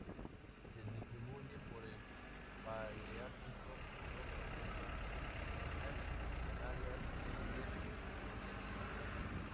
Se distribuye por el paleártico: Europa central y meridional, Canarias, Magreb y Oriente Medio.